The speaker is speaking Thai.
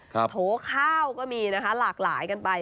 โถข้าวก็มีนะคะหลากหลายกันไป